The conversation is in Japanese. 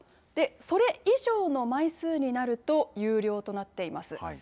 で、それ以上の枚数になると有料となっています。